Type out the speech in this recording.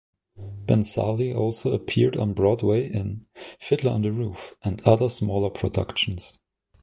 Benzali also appeared on Broadway in "Fiddler on the Roof" and other smaller productions.